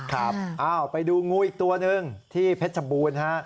ครับไปดูงูอีกตัวหนึ่งที่เพชรบูรณ์ฮะ